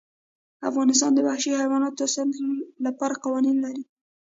افغانستان د وحشي حیواناتو د ساتنې لپاره قوانین لري.